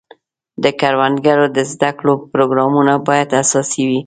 د کروندګرو د زده کړو پروګرامونه باید اساسي وي.